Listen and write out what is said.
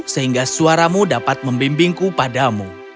sehingga suaramu dapat membimbingku padamu